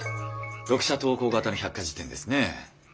読者投稿型の百科事典ですね。